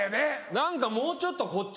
何かもうちょっとこっち